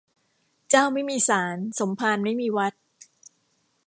เจ้าไม่มีศาล สมภารไม่มีวัด